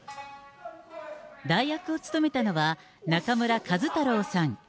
代役を勤めたのは、中村壱太郎さん。